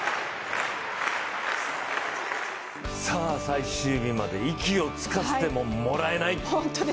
最終日まで息をつかせてももらえない。